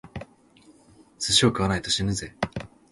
寿司を食わないと死ぬぜ！